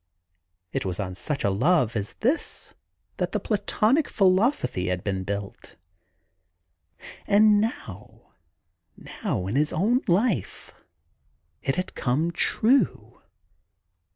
It was on such a love as this that the Platonic philo sophy had been built ; and now— now in his own life — ^it had come true.